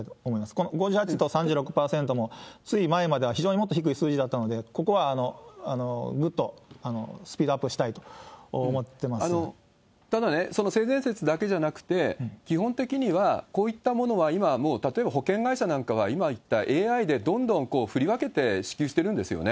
この５８と３６％も、つい前までは非常にもっと低い数字だったので、ここはぐっとスピただ、その性善説だけじゃなくて、基本的にはこういったものは今はもう例えば保険会社なんかは、今言ったＡＩでどんどん振り分けて支給してるんですよね。